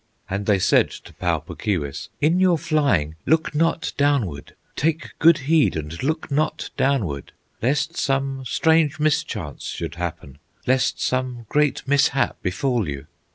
And they said to Pau Puk Keewis: "In your flying, look not downward, Take good heed and look not downward, Lest some strange mischance should happen, Lest some great mishap befall you!"